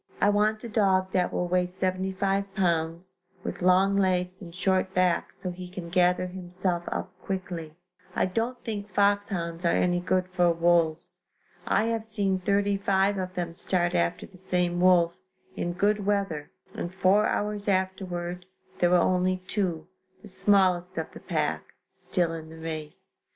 I want a dog that will weigh 75 pounds, with long legs and short back so he can gather himself up quickly. I don't think foxhounds are any good for wolves. I have seen thirty five of them start after the same wolf, in good weather and four hours afterward there were only two, the smallest of the pack, still in the race.